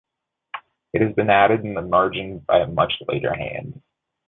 It has been added in the margin by a much later hand.